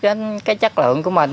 đến cái chất lượng của mình